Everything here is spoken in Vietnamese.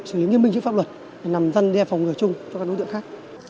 xử lý nghiêm minh trước pháp luật để làm dân đe phòng ngừa chung cho các đối tượng khác